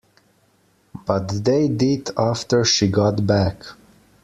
But they did after she got back.